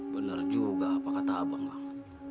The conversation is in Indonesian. benar juga apa kata abang